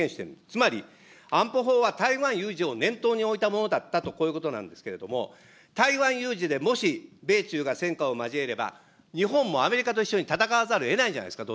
つまり、安保法は台湾有事を念頭に置いたものだったと、こういうことなんですけれども、台湾有事でもし米中が戦火を交えれば、日本もアメリカと一緒に戦わざるをえないんじゃないですか。